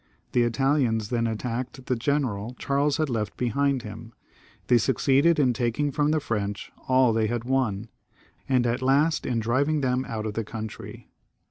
The Italians then attacked the general Charles had left behind him ; they succeeded in taking from the French all they had won, and at last, in driving them out of the coimtry.